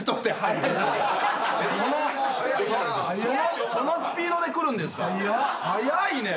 そのスピードでくるんですか⁉早いね！